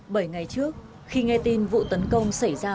bảy ngày trước khi nghe tin vụ tấn công xảy ra